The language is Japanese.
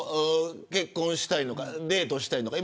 結婚したいのかデートしたいのか